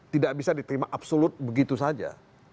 tidak bisa diterima absolut begitu saja